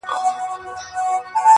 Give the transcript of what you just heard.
• ورته وغوړوي مخ ته د مرګ پړی -